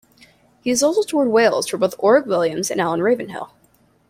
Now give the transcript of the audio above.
He has also toured Wales for both Orig Williams and Alan Ravenhill.